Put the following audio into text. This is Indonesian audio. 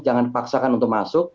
jangan paksakan untuk masuk